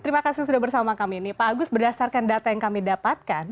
terima kasih sudah bersama kami ini pak agus berdasarkan data yang kami dapatkan